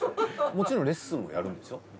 もちろんレッスンはやるんでしょ？